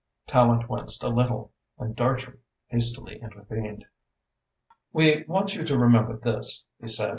Tallente winced a little and Dartrey hastily intervened. "We want you to remember this," he said.